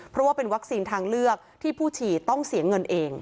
เพราะว่าเป็นวัคซีนทางเลือกที่ผู้ฉีดต้องเสียเงินเอง